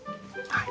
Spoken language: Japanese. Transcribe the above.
はい。